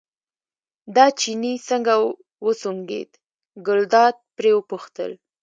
دا چيني څنګه وسونګېد، ګلداد پرې وپوښتل.